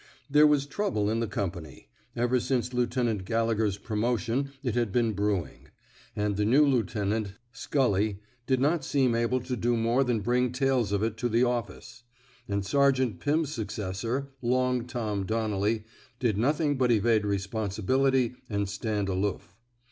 There was trouble in the company — ever since Lieutenant Galle gher's promotion it had been brewing; and the new lieutenant, Scully, did not seem able to do more than bring tales of it to the office; and Sergeant Pirn's successor, Long Tom " Donnelly, did nothing but evade responsibility and stand aloof.